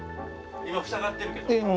今塞がってるけど。